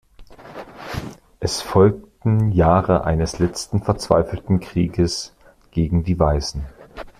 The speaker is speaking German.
Es folgten Jahre eines letzten verzweifelten Krieges gegen die Weißen.